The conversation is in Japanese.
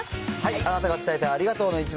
あなたが伝えたいありがとうの１枚。